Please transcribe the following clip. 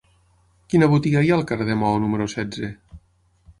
Quina botiga hi ha al carrer de Maó número setze?